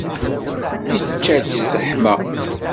Ičča-tt, teḥma.